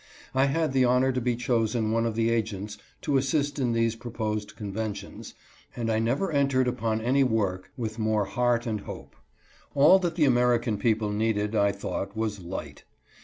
I had the honor to be chosen one of the agents to assist in these proposed conventions, and I never entered upon any work with more heart and hope. All that the American people needed, I thought, was light.